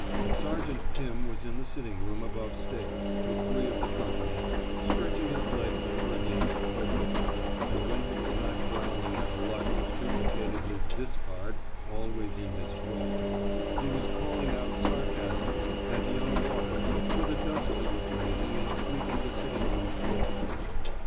Sergeant Pim was in the sit ting room above stairs, with three of the company, stretching his legs under a game of poker ; and when he was not growling at a luck which duplicated his discard '' always in his draw," he was calling out sarcasms at young Waters for the dust he was raising in sweeping the sitting room floor.